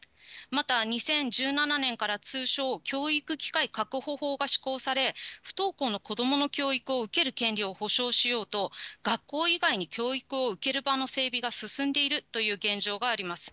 また２０１７年から通称、教育機会確保法が施行され、不登校の子どもの教育を受ける権利を保障しようと、学校以外に教育を受ける場の整備が進んでいるという現状があります。